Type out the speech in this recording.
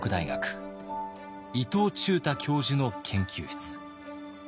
伊東忠太教授の研究室。